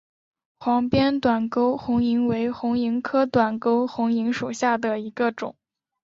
黄边短沟红萤为红萤科短沟红萤属下的一个种。